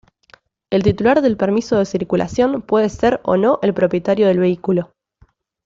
El titular del permiso de circulación puede ser o no el propietario del vehículo.